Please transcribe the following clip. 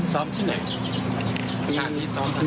ซ้อมที่ไหนที่งานนี้ซ้อมครับ